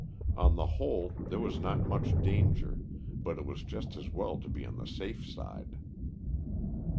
On the whole, there was not much danger, but it was just as well to be on the safe side.